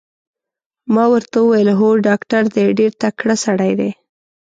ما ورته وویل: هو ډاکټر دی، ډېر تکړه سړی دی.